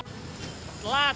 kan gak aman